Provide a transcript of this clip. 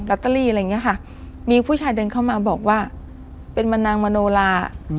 อะไรเงี้ยค่ะมีผู้ชายเดินเข้ามาบอกว่าเป็นมนังมโนราอืม